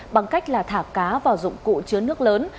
bằng cách là thả cá vào dụng cụ chứa nước lớn